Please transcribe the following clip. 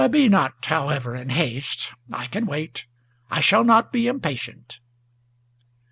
Be not however in haste; I can wait; I shall not be impatient!"